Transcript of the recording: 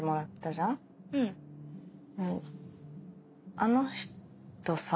あの人さ